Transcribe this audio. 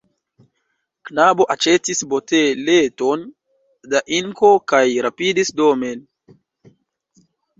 Knabo aĉetis boteleton da inko kaj rapidis domen.